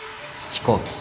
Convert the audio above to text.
飛行機。